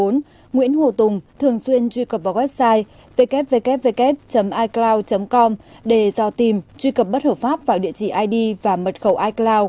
nguyễn hồ tùng thường xuyên truy cập vào website ww icloud com để do tìm truy cập bất hợp pháp vào địa chỉ id và mật khẩu icloud